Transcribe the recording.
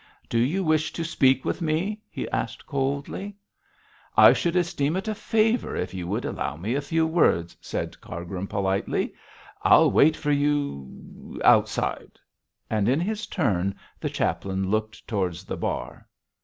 'Do you wish to speak with me?' he asked coldly. 'I should esteem it a favour if you would allow me a few words,' said Cargrim, politely. 'I'll wait for you outside,' and in his turn the chaplain looked towards the bar.